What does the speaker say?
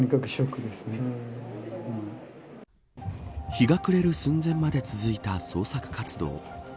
日が暮れる寸前まで続いた捜索活動。